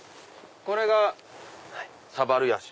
これがサバルヤシ。